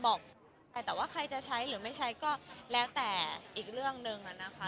บอกว่าใครจะใช้หรือไม่ใช้ก็แล้วแต่อีกเรื่องหนึ่งอะนะคะ